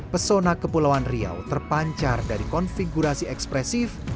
pesona kepulauan riau terpancar dari konfigurasi ekspresif